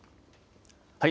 はい。